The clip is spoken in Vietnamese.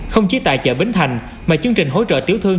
không chỉ tại chợ bến thành mà chương trình hỗ trợ tiểu thương